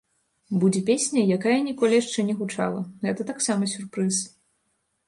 Будзе песня, якая ніколі яшчэ не гучала, гэта таксама сюрпрыз.